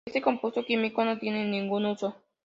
Este compuesto químico no tiene ningún uso.